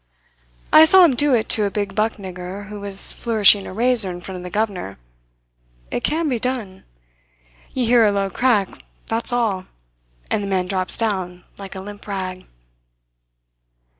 I saw him do it to a big buck nigger who was flourishing a razor in front of the governor. It can be done. You hear a low crack, that's all and the man drops down like a limp rag."